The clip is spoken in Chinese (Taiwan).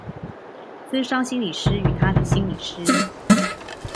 諮商心理師與她的心理師